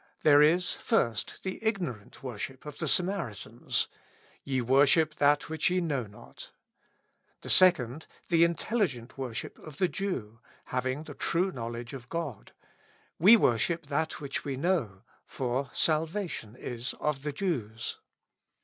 There is first, the ignorant wor ship of the Samaritans: "Ye worship that which ye know not." The second, the intelligent worship of the Jew, having the true knowledge of God : 2 17 With Christ in the School of Prayer. " We worship that which we know, for salvation is of the Jews."